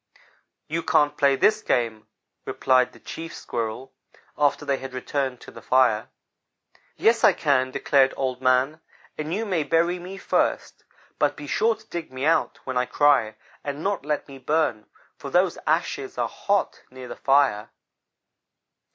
"'You can't play this game,' replied the Chief Squirrel, after they had returned to the fire. "'Yes, I can,' declared Old man, 'and you may bury me first, but be sure to dig me out when I cry, and not let me burn, for those ashes are hot near the fire.'